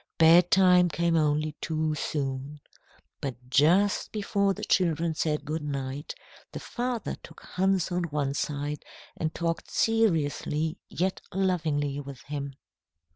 Bedtime came only too soon. But just before the children said good night, the father took Hans one side and talked seriously yet lovingly with him.